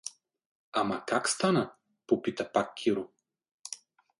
— Ама как стана? — попита пак Киро.